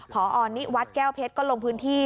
พอนิวัฒน์แก้วเพชรก็ลงพื้นที่